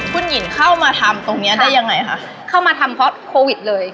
คุณหญิงเข้ามาทำตรงนี้ได้ยังไงคะเข้ามาทำเพราะโควิดเลย